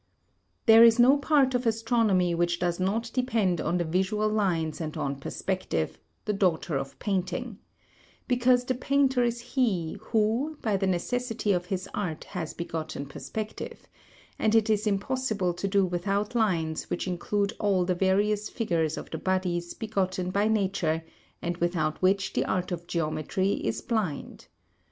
There is no part of astronomy which does not depend on the visual lines and on perspective, the daughter of painting; because the painter is he who by the necessity of his art has begotten perspective, and it is impossible to do without lines which include all the various figures of the bodies begotten by nature and without which the art of geometry is blind.